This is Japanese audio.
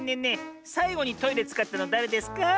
さいごにトイレつかったのだれですか？